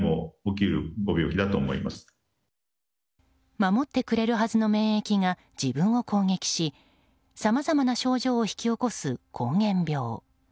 守ってくれるはずの免疫が自分を攻撃しさまざまな症状を引き起こす膠原病。